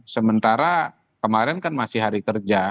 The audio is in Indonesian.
sementara kemarin kan masih hari kerja